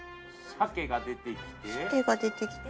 鮭が出てきて。